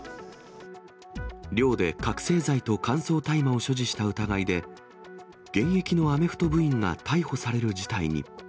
寮で覚醒剤と乾燥大麻を所持した疑いで、現役のアメフト部員が逮捕される事態に。